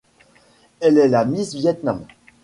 Elle est la Miss Vietnam.